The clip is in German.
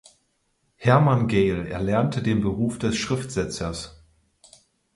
Hermann Gail erlernte den Beruf des Schriftsetzers.